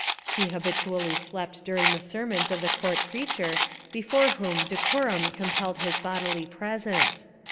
He habitually slept during the ser mons of the court preacher before whom deco rum compelled his bodily presence.